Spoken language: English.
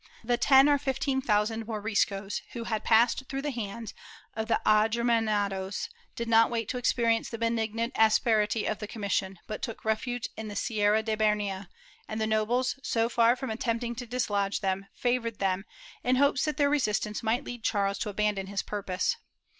The ten or fifteen thousand Moriscos, who had passed through the hands of the Agermanados, did not wait to experience th(; benignant asperity of the commis sion, but took refuge in the Sierra de Bernia, and the nobles, so far from attempting to dislodge them, favored them, in hopes that their resistance might lead Charles to abandon his purpose.